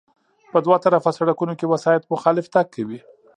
په دوه طرفه سړکونو کې وسایط مخالف تګ کوي